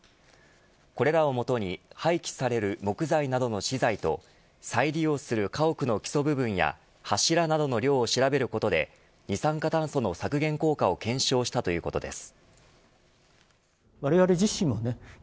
これらをもとに廃棄される木材などの資材と再利用する家屋の基礎部分や柱などの量を調べることで二酸化炭素の削減効果を検証したということです。